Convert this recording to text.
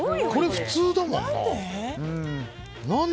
これ、普通だもんな。